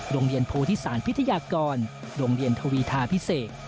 โรงเรียนโพธิสารพิทยากรโรงเรียนทวีทาพิเศษ